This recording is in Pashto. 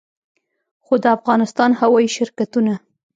خو د افغانستان هوايي شرکتونه